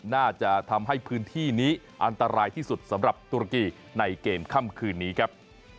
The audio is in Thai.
น่าจะทำให้พื้นที่นี้อันตรายที่สุดสำหรับตุรกีในเกมค่ำคืนนี้ครับ